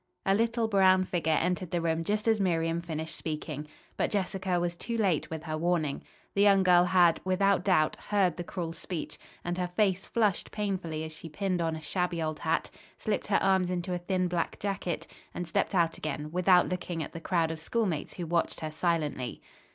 A little, brown figure entered the room just as Miriam finished speaking. But Jessica was too late with her warning. The young girl had, without doubt, heard the cruel speech and her face flushed painfully as she pinned on a shabby old hat, slipped her arms into a thin black jacket and stepped out again without looking at the crowd of schoolmates who watched her silently.